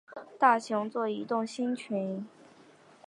大熊座移动星群